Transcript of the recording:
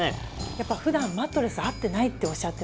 やっぱ普段マットレス合ってないっておっしゃってましたからね。